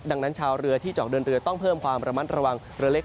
ดังนั้นชาวเรือที่เจาะเดินเรือต้องเพิ่มความระมัดระวังเรือเล็ก